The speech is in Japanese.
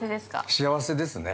◆幸せですね。